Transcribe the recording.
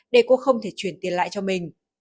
để cô không thể truyền tiền lại cho mình